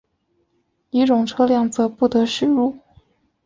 乙种车辆则不得驶入。